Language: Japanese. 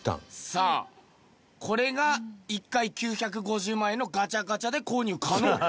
さあこれが１回９５０万円のガチャガチャで購入可能と。